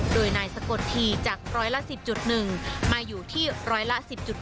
โดยนายสะกดทีจากร้อยละ๑๐๑มาอยู่ที่ร้อยละ๑๐๗